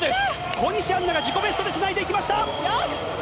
小西杏奈が自己ベストでつないでいきました。